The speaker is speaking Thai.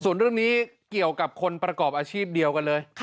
ส่วนเรื่องนี้เกี่ยวกับคนประกอบอาชีพเดียวกันเลย